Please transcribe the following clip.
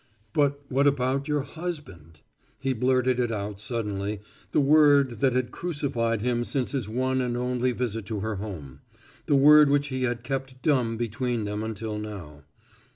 "But what about your husband?" He blurted it out suddenly, the word which had crucified him since his one and only visit to her home; the word which he had kept dumb between them until now.